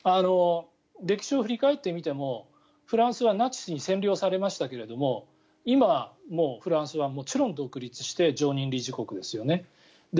歴史を振り返ってみてもフランスはナチスに占領されましたが今はもうフランスはもちろん独立して常任理事国ですよね。